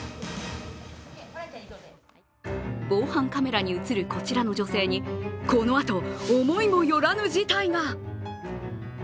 防犯カメラに映るこちらの女性に、このあと思いもよらぬ事態が。